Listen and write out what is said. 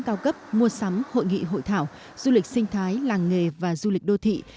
gói sản phẩm du lịch sinh thái làng nghề và du lịch đô thị